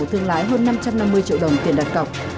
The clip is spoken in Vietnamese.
thương lái hơn năm trăm năm mươi triệu đồng tiền đặt cọc